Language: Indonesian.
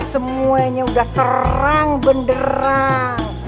semuanya udah terang benderang